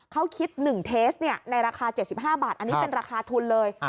เขาคิด๑เทสในราคา๗๕บาทอันนี้เป็นราคาทุนเลย